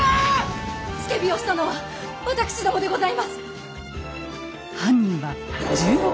付け火をしたのはわたくしどもでございます。